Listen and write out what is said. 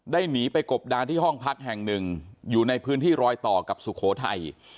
หนีไปกบดานที่ห้องพักแห่งหนึ่งอยู่ในพื้นที่รอยต่อกับสุโขทัย